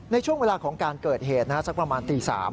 ในช่วงเวลาของการเกิดเหตุสักประมาณตี๓